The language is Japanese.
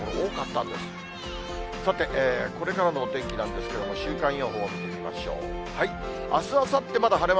さて、これからのお天気なんですけれども、週間予報見てみましょう。